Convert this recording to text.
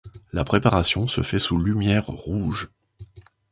La préparation se fait sous lumière rouge.